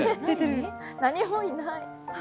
何もいない。